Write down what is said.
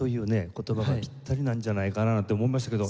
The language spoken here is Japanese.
言葉がピッタリなんじゃないかななんて思いましたけど。